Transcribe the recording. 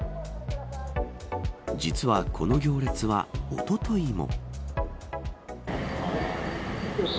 実はこの行列はおとといも。